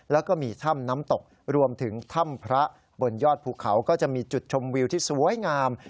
แล้วก็มีถ้ำน้ำตกรวมถึงถ้ำพระบนยอดภูเขาก็จะมีจุดชมวิวที่สวยงาม